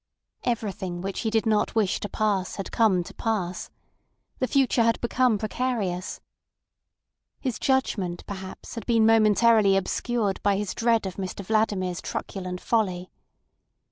Everything which he did not wish to pass had come to pass. The future had become precarious. His judgment, perhaps, had been momentarily obscured by his dread of Mr Vladimir's truculent folly.